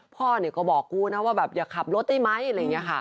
พ่อก็บอกกูนะว่าแบบอย่าขับรถได้ไหมอะไรอย่างนี้ค่ะ